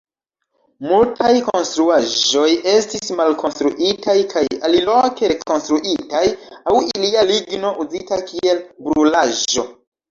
Multaj konstruaĵoj estis malkonstruitaj kaj aliloke rekonstruitaj aŭ ilia ligno uzita kiel brulaĵo.